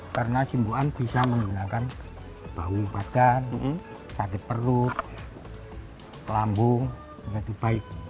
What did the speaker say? karena simbukan bisa menggunakan bau badan sakit perut telambung jadi baik